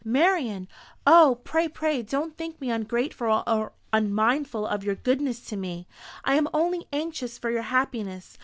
"Marian!" "O, pray, pray don't think me ungrateful or unmindful of your goodness to me. I am only anxious for your happiness.